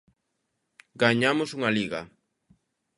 Gañamos unha Liga.